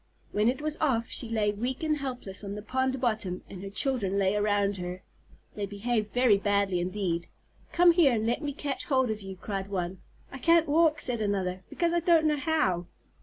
When it was off she lay weak and helpless on the pond bottom, and her children lay around her. They behaved very badly indeed. "Come here and let me catch hold of you," cried one. "I can't walk," said another, "because I don't know how."